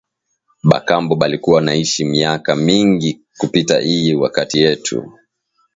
Ba kambo balikuwa naishi myaka mingi kupita iyi wakati yetu